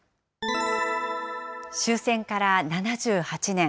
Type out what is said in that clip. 終戦から７８年。